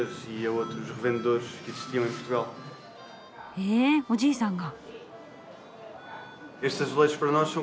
へえおじいさんが。